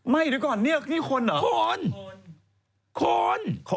ไม่ด้วยก่อนนี่คนเหรอ